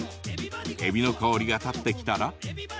えびの香りが立ってきたら。